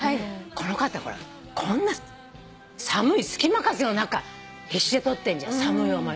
この方こんな寒い隙間風の中必死で撮ってんじゃん。